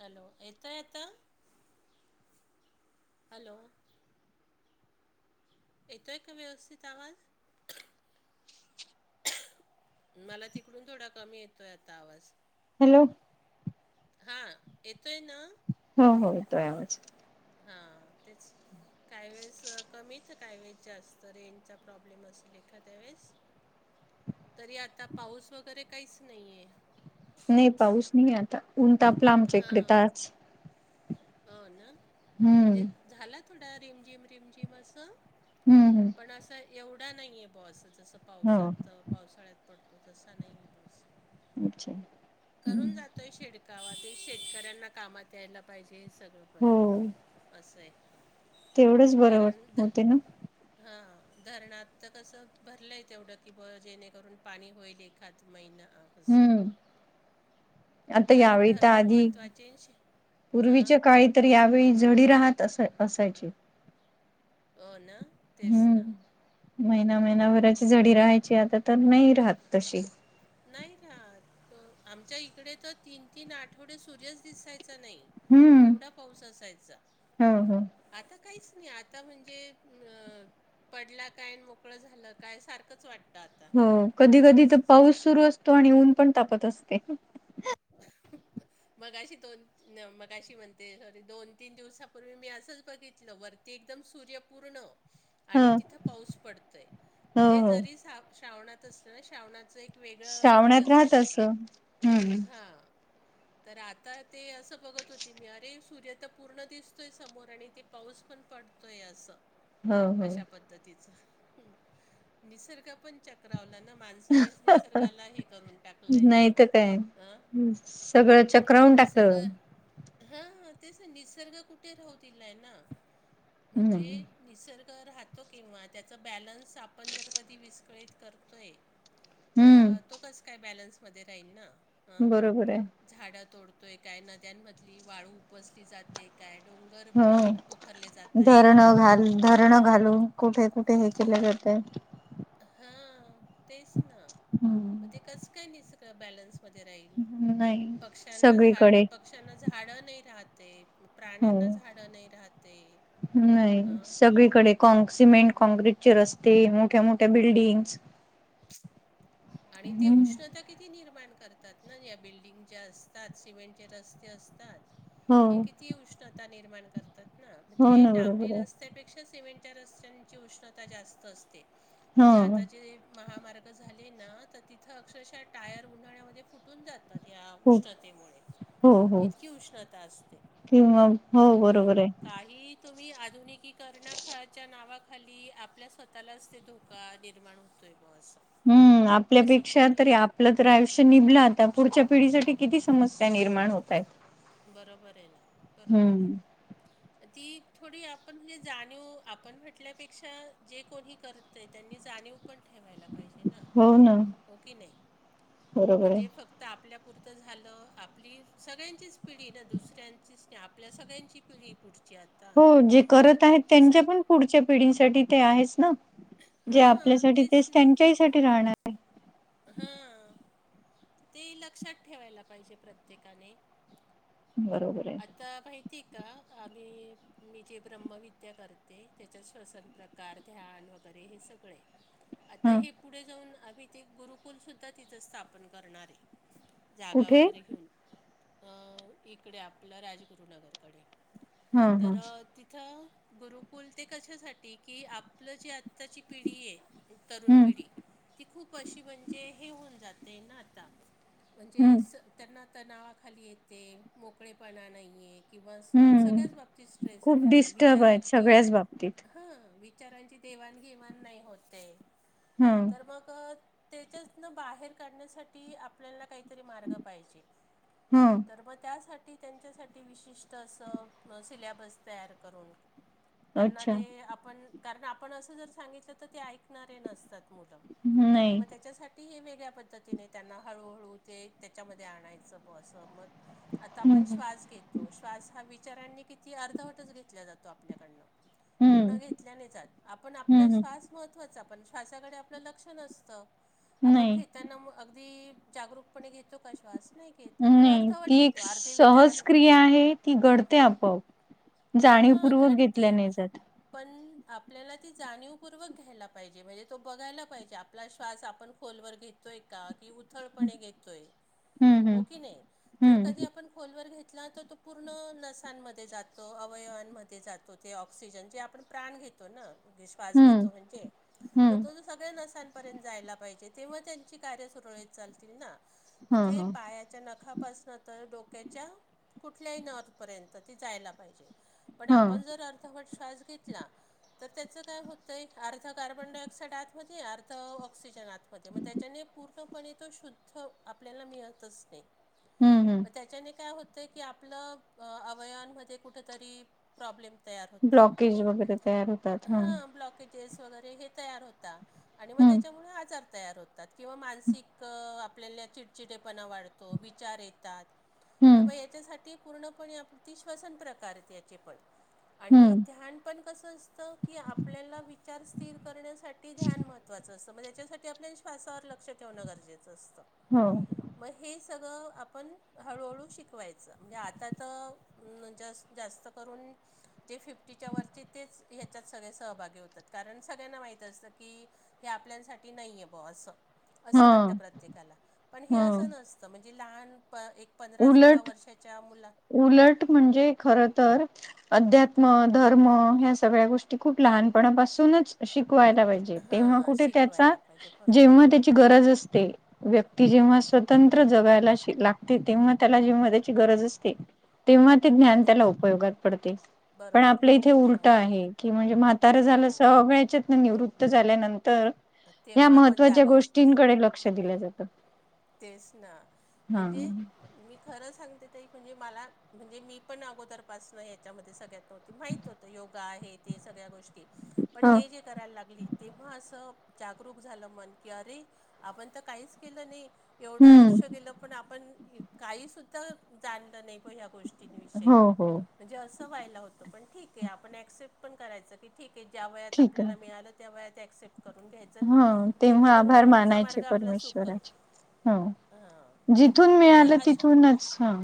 Hello, येतोय आता? Hello? येतोय काय व्यवस्थित आवाज? मला तिकडून थोडा कमी येतोय आता आवाज. हॅलो! हा येतोय ना? हो हो येतोय आवाज. हा तेच. काय वेळेस कमी तर काय वेळेस जास्त रेंजचा प्रॉब्लेम असेल एखाद्या वेळेस [inaudible] तरी आता पाऊस वगैरे काहीच नाहीय. नाही पाऊस नाही आता ऊन तापलं आमच्या इकडे हां ताच हो ना? हम्म म्हणजे झाला थोडा रिमझिम रिमझिम असं हम्म हम्म पण असं एवढा नाहीये. बुआ अस जसं हो पावसात पावसाळ्यात पडतो तसा नाहीयाय बॉस. अच्छा हम्म. तइ शेड गावाते शेतकऱ्यांना कामात यायला पाहिजेस. सगळं पण हो असंय तेवढंच बरं वाट कारण द होते ना हा धरणात् तर कसं भरलंय तेवढं की ब जेणेकरून पाणी होईल एखाद महिना असं हम्म. आता कारण यावेळी तर धरणं आधी महत्त्वाचे न शे हां पूर्वीच्या काळी तर यावेळी झडी राहत अस असायची. हो ना? तेच ना हम्म महिना महिनाभराची झडी राहायची आता तर नाही राहत तशी. नाही रात आमच्या इकडे तर तीन तीन आठवडे सूर्यच दिसाय चा नाही हम्म एवढा पाऊस असायचा हो हो आता काहीच नाही आता म्हणजे अम पडला काय मोकळं झालं काय सारखंच वाटत. हो कधी कधी तर पाऊस सुरू असतो आणि ऊन पण तापत असते. [inaudible] मगाशी दोन मगाशी म्हणते सॉरी दोन तीन दिवसापूर्वी मी असंच बघितलं वर ते एकदम सूर्य पूर्ण ह आणि तिथं पाऊस पडतय हो म्हणजे हो जरी सा श्रावणात असलं ना श्रावणाचं एक वेगळं हे श्रावणात असतं राहत असं वातावरण हम्म. हा. तर आता ते असं बघत होती मी अरे सूर्य तर पूर्ण दिसतोय समोर आणि ते पाऊस पण पड तोय अस हो हो. अशा पद्धतीच निसर्ग पण चक् रावला ना माणसानेच निसर्गाला हे करून टाकलंय ना? अं हम् सगळं म्हणजे चक्रावून निसर्ग टाकलं. हा तेच निसर्ग कुठे राहू दीलाय ना म्हणजे निसर्ग राहतो किंवा त्याच बॅलन्स आपण जर कधी विस्कळीत करतोय. तर हम्म तो कस काय बॅलन्समध्ये राहील ना? हं बरोबर आहे. झाडं तोडतोय काय नद्यांमधली वाळू उपसली जाते. काय डोंगर अ हो पोखरले जाताय धरणं काय? घाल धरणं घालून कुठे कुठे हे केले जातय. हा तेच ना. हम्म. म ते कस काय नि सगळ बॅलन्स मध्ये राहील? नाही पक्ष्यांना झाड सगळीकडे प पक्षांना झाडं नाही राहत ते हो. प्राण्यांना झाडं नही राहते, नाही हं. सगळीकडे. सिमेंट कोंक्रिटचे रस्ते, मोठ्या-मोठ्या बिल्डिंग्स आणि ते हम्म उष्णता किती निर्माण कर तात ना, या बिल्डिंग ज्या असतात, सिमेंटचे रस्ते असतात, हो हे किती उष्ण ता निर्मान करतात ना, हो म्हणजे ना बरोबर डांबरी आहे रस्त्या पेक्षा सिमेंटच्या रस्त्यांची उष्णता जास्त असते, म्हणजे हो. आता जे महामार्ग झाले ना, तर तिथं अक्षरशः टायर उन्हाळ्यामध्ये फुटून जा तात, या हो उष्णतेमुळे हो हो इतकी उष्णता असते. किंवा हो म्हणजे बरोबर आहे. काही तुम्ही आधुनिकीकरनाकाच्या नावाखाली, आपल्या स्वतःलाच ते धो का निर्माण होतोय बो अस. हम्म आपल्यापेक्षा तरी आप आपलं तर आयुष्य निभलं आता, पुढच्या पिढीसाठी किती समस्या निर्माण होतायेत. बरोबर ये ना बरोबर ये. ती थोडी आपण, म्हणजे जाणीव आपण म्हटल्यापेक्षा जे कोणी कर ते त्यांनी जाणीव पण ठेवायला पाहिजे ना. हो ना हो, की नाही? बरोबर आहे. म्हणजे फक्त त आपल्यापुरतं झालं, आपली सगळ्यांचीच पिढी ना, दुसऱ्यांचीच नही, आपल्या सगळ्यांची पिढी पुढ हो जे करत आहेत, त्यांच्या पण पुढच्या पिढींसाठी ते आहेच ना. जे हां आपल्यासाठी, तेच तेस त्यांच्याही साठी राहणार ये. हं, ते लक्षात ठेवायला पाहिजे, प्रत्येकाने. बरोबर ये. त माहिती का? आम्ही मी जे ब्रह्मविद्या करते, त्याच्या श्वसन प्रकार, ध्यान वगैरे हे सगळय. [inaudible] आता हे पुढे जाऊन, आम्ही ते गुरुकुल सुद्धा तिथ स्थापन करणार ये. जागा कुठे वगैरे घेऊन, अ इकडे आपलं राजगुरुनगरकडे. हा हा तर तिथं गुरुकुल, ते कशासाठी की आपलं जे आ ताची पिढी ये, ती तरुण हम्म पिढी प अशी, म्हणजे हे होऊन जाते ना आता, हम्म म्हणजेच त्यांना त्या नावाखाली येते, मोकळेपणा नहीये. किंवा हम्म सगळ्याच बाबतीत स्ट्रेस ये, खूप त्यांना डिस्टर्ब आहेत विचारांची सगळ्याच बाबतीत हं विचारांची देवाणघेवाण नाही होत ये. हं. मग त्याच्यातन बाहेर काढण्यासाठी ती आपल्याला काहीतरी मार्ग पाहिजे, हा तर म त्यासाठी त्यांच्यासाठी विशिष्ट असं, सिलेबस तयार करून त्यांना अच्छा ते आपण, कारण आपण असं जर सांगितलं तर ते ऐकणारे नसतात मुलं. तर नाही मग त्याच्यासाठी हे वेगळ्या पद्धतीने, त्यांना हळूहळू ते त्याच्यामध्ये आणायचं, ब असं मग. आता हम्म आपण श्वास घेतो, श्वास हा चऱांनी किती अर्धवटच घेतल्या जातो, आपल्याकडन पूर्ण हम्म घेतल्या नई जात, आपण हम्म आपल्या हम्म श्वास महत्वाचा, पण श्वासाकडे आपलं लक्ष नस त, आपण नाही घेताना म अगदी जागरूकपणे घेतो का श्वास? नाही घेत आपण नाही अर्धवट ती एक घेतो अर्धे सहज विचारां क्रिया आहे. की घडते आपोआप. हां जाणीवपूर्वक घडते. घेतल्या नाही जात. पण आपल्याला ती जाणीवपूर्वक घ्यायला पाहिजे. म्हणजे तो बघायला पाहिजे आप आपला श्वास आपण खोलवर घेतोय का कि उथळपणे घेतोय. हम्म हो की नाही जर हम्म कधी आपण खोलवर घेतला, तर तो पूर्ण नसांमध्ये जातो अवयवांमध्ये जातो ते ऑक्सिजन जे आपण प्राण घेतोना. हम्म श्वास हम्म घेतो म्हणजे तर हम्म. तो जो सगळ्या नसां पर्यंत जायला पाहिजे. तेव्हा त्यांची कार्य सुरळीत चालतील ना. हा म्हणजे हा पायाच्या नखापासन तर डोक्याच्या कुठल्याही नर्वपर्यंत ती जायला पाहिजे. पण हा आपण जर अर्थ, स श्वास घेतला तर त्याच काय होतय आर्ध कार्बन डायऑक्साइड आत मध्ये अर्धा त ऑक्सिजन आतमध्ये मग त्याच्याने पूर्णपणे तो शुद्ध आपल्याला मिळतच नाही. हम्म हम्म मग त्याच्याने काय होतंय, की आपलं अवयंमध्ये कुठतरी प्रॉब्लेम तर होतो हो की ब्लॉकेज नाही. वगैरे तयार होतात ह हा ब्लॉकेज केस वगैरे हे तयार होता. आणि मग हम्म त्याच्यामुळे आजार तयार होत किंवा मानसिक आपल्याला चिडचिडेपणा वाढतो विचार येतात. तर हम्म मग याच्यासाठी पूर्णपणे अगदी श्वसन प्रकार आहेत. याचे पण आणि हम्म. ध्यान पण कसं असतं की आपल्याला विचार स्थिर करण्यासाठी ध्यान मंत्र मग त्याच्यासाठी आपल्या श्वासावर लक्ष ठेवणं. गरजेच असत. हो मग हे सगळं आपण हळूहळू शिकवायच म्हणजे. आता तर मग जास् जास्त करून जे फिफ्टीच्या वरचे तेच ह्याच्यात सगळे सहभागी होतात. कारण सगळ्यांना माहित, असतं की हे आपल्यासाठी नाही आहे बा असं असं हा वाटतं प्रत्येकाला पण हे हा असं नसत. म्हणजे लहान प एक पंधरा सोळा उलट वर्षाच्या मुला च उलट म्हणजे खर तर अध्यात्म धर्म ह्या सगळ्या गोष्टी खूप लहानपणापासूनच शिकवायला पाहिजे. तेंव्हा हां कुठे त्याचा शिकवायला पाहिजे बरं जेव्हा त्याची बरं गरज असते. व्यक्ती जेव्हा स्वतंत्र जगायला शि लागते तेव्हा त्याला जेव्हा त्याची गरज असते. तेव्हा ते ज्ञान त्याला उपयोगात पडते. पण बरोबर आहे आपल्या इथे उलट त्यामुळे आहे कि म्हणजे म्हातारा हो झालं सगळ्याच्यात न निवृत्त झाल्यानंतर ह्या तेव्हा आपण महत्त्वाच्या जागं होतो गोष्टींकडे लक्ष दिल जात. तेच ना म्हणजे. मी खरं सांगते ताई म्हणजे मला म्हणजे मी पण अगोदरपासनं याच्यामध्ये सगळ्यात माहीत होत योगा हे ते सगळ्या गोष्टी पण ह हे जे करायला लागली तेव्हा अस जागरूक झालं मन की अरे आपण तर काहीच केलं नाही. एवढं आयुष्य हम्म गेलं पण आपण काही सुद्धा जाणलं नाही ह्या गोष्टी. [unintelligible] विषयी हो हो म्हणजे अस व्हायला होत पण ठीक आहे आपण एक्सेप्ट पण करायचं की ठीकय. ज्या वयात ठीक आपल्याला मिळालं त्या वयात अक्सेप्ट करून घ्यायच. हम्म तेव्हा आभार मानायचे आपला सुकर परमेश्वराचे. हा हां जिथून तर हे मिळालं अशा प तिथूनच हां.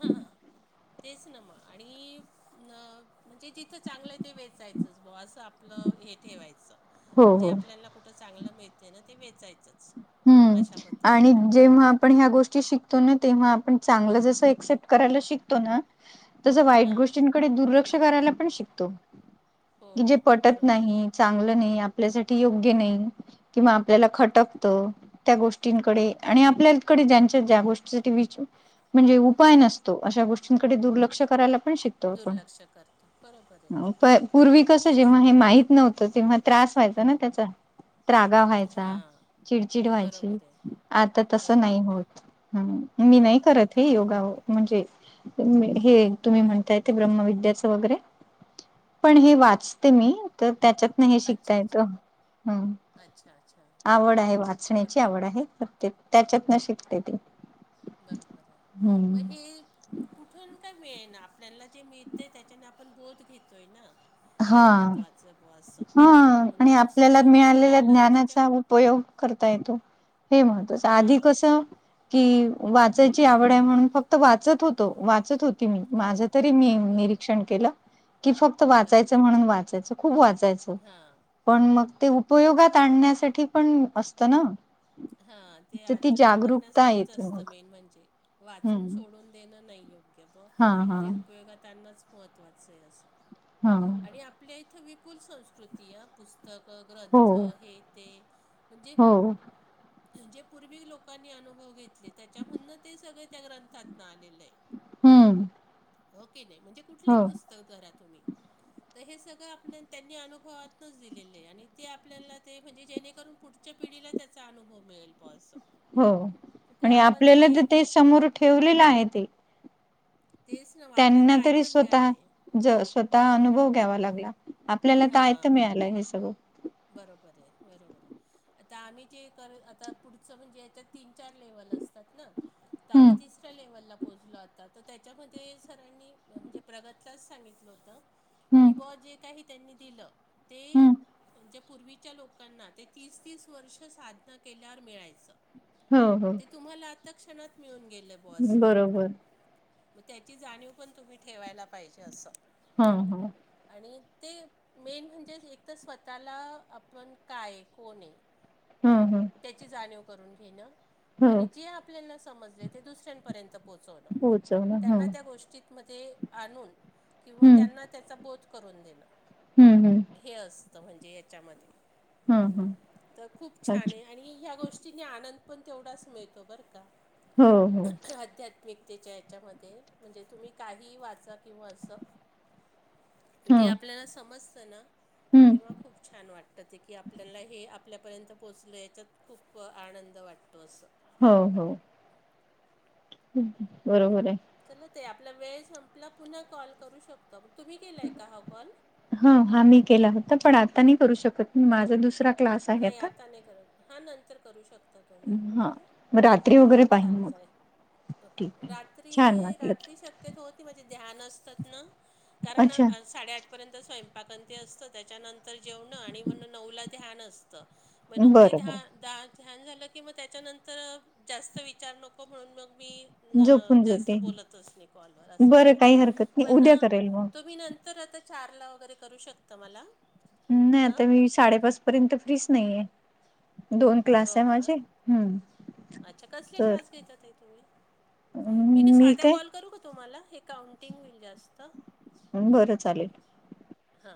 हां तेच ना मग आणि न म्हणजे जिथं चांगलं आहे ते वेचायचंच ब असं आपलं हे ठेवायचं. हो जे हो आपल्याला कुठ चांगल मिळतय ना ते वेचायचच हम्म आणि जेंव्हा आपण ह्या गोष्टी शिकतो ना तेंव्हा आपण चांगलं जसं एक्सेप्ट करायला शिकतो ना तसं वाईट हां गोष्टींकडे दुर्लक्ष करायला पण शिकतो. हो की जे पटत बरोबर नाही आहे चांगलं नाही आपल्यासाठी योग्य नाही किंवा आपल्याला खटक त त्या गोष्टींकडे आणि आपल्याकडे ज्यांच्या ज्या गोष्टीसाठी विच म्हणजे उपाय नसतो अशा गोष्टींकडे दुर्लक्ष करायला पण शिक तो दुर्लक्ष करतो बरोबर आहे. प पूर्वी बरोबर आहे कस तेच जेव्हा हे माहित नव्ह त तेव्हा त्रास व्हायचा ना त्याचा त्रागा व्हायचा. हां चिडचिड व्हायची बरोबर आहे आता तस नाही बरोबर आहे होत हम्म मी नाही हां करत हे योगा ओ म्हणजे हे तुम्ही म्हणतायते ब्रह्मविद्याचं वगैरे पण हे वाचते मी तर त्याच्यातन हे शिकता अच्छा येत अच्छा ह अच्छा अच्छा! हां आवड आहे हां वाचण्याची बरोबर आवड आहे प्रत्य त्याच्यात न शिकते ती बरोबर आहे मग हे कुठून का मिेळे ना आपल्याला जे मिळतय त्याच्याने आपण बोध घेतोय ना हे हा, महत्त्वाचं बुवा असं हा म्हणजे आणि आपल्याला नुसतं मिळालेल्या मिळालं त्याच्या ज्ञानाचा उपयोग करता येतो हे महत्वाच आधी हां कसं की वाचायची आवड आहे म्हणून फक्त वाचत होतो वाचत होत ते हो माझ तरी मी बरोबर निरीक्षण केलं की फक्त वाचायच बरोबर म्हणून वाचायच. खूप वाचायच हां पण मग ते उपयोगात आणण्यासाठी पण असत ना? हा ते तर ती आचरण जागरूकता करण्यासाठीच येते असतं मग. मेन म्हणजे वाचून हम्म सोडून देणं नाही योग्य ब हा हा ते उपयोगात आणणच महत्त्वाचं आहे असं. हा! आणि आपल्या इथं विपुल संस्कृती अ पुस् स्तक क हो ग्रंथ हे ते म्हणजे हो जे पूर्वी लोकांनी अनुभव घेतले त्याच्यामधन ते सगळ त्या ग्रंथातन आलेलं आहे हम्म! हो की नाही म्हणजे हो कुठलेही पुस्तक धरा तुम्ही तर हे सगळं आपल्या त्यांनी अनुभवातूनच दिलेले आहे आणि ते आपल्याला ते म्हणजे जेणेकरून पुढ च्या पिढीला त्याचा अनुभव मिळेल फारसा हो आणि आपल्याला तर ते समोर ठेवलेलं आहे ते तेच नव्ह आपल्याला त्यांना तर तरी आयतं स्वतः मिळालयं. ज स्वतः अनुभव घ्यावा लागला आपल्याला तर आयत हां. मिळालं हे सगळं. बरोबर आहे बरोबर आहे. आता आम्ही जे कर आता पुढचं म्हणजे याच्यात तीन चार लेवल असतात ना? तर हम्म आम्ही तिसऱ्या लेव्हलला पोहोचलो आता त्याच्यामध्ये सरांनी म्हणजे प्रगतलाच सांगितलं होत हम्म की बॉस जे काही त्यांनी दिलं ते हम्म म्हणजे पूर्वीच्या लोकांना ते तीस तीस वर्ष साधन केल्यावर मिळायचं. हो हो! ते तुम्हाला अथक क्षणात मिळून गेलं बो असं. बरोबर म त्याची जाणीव पण तुम्ही ठेवायला पाहिजे असं. हा हा! आणि ते मेन म्हणजे एक तर स्वतःला आपण काय हाय कोण हाय. हम् हं त्याची जाणीव करून घेण. आणि जे आपल्यांना समजले ते दुसऱ्यांपर्यंत पोहोचवण पोहोचवलं हा त्यांना त्या गोष्टी मध्ये आणून किंवा हम्म त्यांना त्याचा बोध करून देण. हम्म हम्म हे असतं म्हणजे याच्यामध्ये हा हा तर खूप छान अच्छा आहे आणि ह्या गोष्टींनी आनंद पण तेवढाच मिळतो बरं का हो हो आध्यात्मिक. त्याच्या याच्यामध्ये म्हणजे तुम्ही काहीही वाचा किंवा असं. हा जे आपल्याला समजत ना हम्म तेव्हा खूप छान वाटत ते की आपल्याला हे आपल्यापर्यंत पोचलो याच्यात खूप आनंद वाटतो असं. हो हो बरोबर आहे. चला ताई आपला वेळ संपला पुन्हा कॉल करू शकतो. मग तुम्ही केलाय का हा कॉल? हं हा मी केला होता पण आता नाही करू शकत माझा दुसरा क्लास आहे नाही आता नाही करत हा नंतर करू शकत हा मग रात्री वगैरे पाहिन मग. अ ठीक आहे. रात्री छान वाटलं रात्री शक्य [unintelligible] न ध्यान असतात ना कारण अच्छा साडेआठ र्यंत स्वयंपाक आणि ते असत त्याच्यानंतर जेवण आणि मग नऊला ध्यान असतं. मग नऊ तेे बरं बरं दहा दहा ध्यान झालं की मग त्याच्यानंतर जास्त विचार नको म्हणून मग मी न झोपून जास्त जाते बोलतच नाही कॉलवर असं होत बरं आता काही हरकत नाही पण उद्या करेल मग तुम्ही नंतर तर आता चारला वगैरे करू शकता मला. नाही हां आता मी साडेपाच पर्यंत फ्रीच नाही आहे दोन क्लास हो आहे का माझे. हम्म अच्छा कसले तर क्लास घेता ताई तुम्ही मी ते साधा कॉल करू का तुम्हाला हे काउंटिंग होईल जास्त. बरं चालेल. हा